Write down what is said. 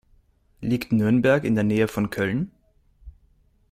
Liegt Nürnberg in der Nähe von Köln?